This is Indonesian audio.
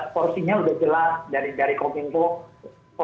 kominfo porsinya apa bssn porsinya apa dan instansi yang lain juga bisa diperoleh